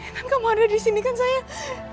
tidak mau ada di sini kan sayang